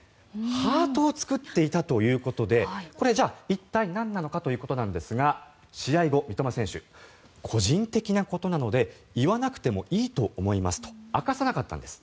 ハートを作っていたということでこれ、一体なんなのかということなんですが試合後、三笘選手個人的なことなので言わなくてもいいと思いますと明かさなかったんです。